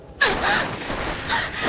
あっ！